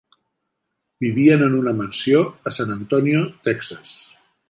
Vivien en una mansió a San Antonio, Texas.